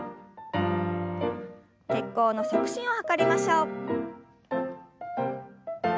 血行の促進を図りましょう。